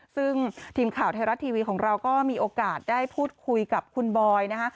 ซึ่งทีมข่าวไทยรัฐทีวีของเราก็มีโอกาสได้พูดคุยกับคุณบอยนะคะ